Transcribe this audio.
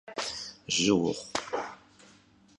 Jı vuxhu!